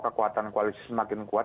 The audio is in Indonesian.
kekuatan koalisi semakin kuat